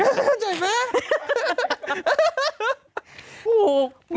เข้าใจไหม